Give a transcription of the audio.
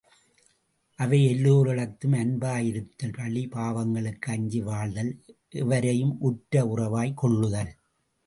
அவை எல்லோரிடத்தும் அன்பாயிருத்தல், பழி பாவங்களுக்கு அஞ்சி வாழ்தல், எவரையும் உற்ற உறவாய்க் கொள்ளுதல்.